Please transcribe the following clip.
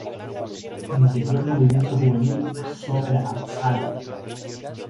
Integró el movimiento juvenil Hashomer Hatzair.